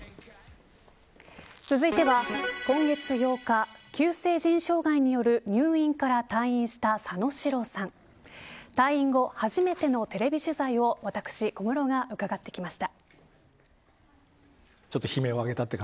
続いては、今月８日急性腎障害による入院から退院した佐野史郎さん退院後、初めてのテレビ取材を私、小室が伺ってきました。